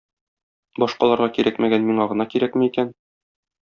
Башкаларга кирәкмәгән миңа гына кирәкме икән.